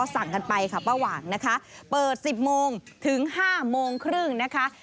ทั้งสิบโมงถึงห้าโมงครึ่งนะคะ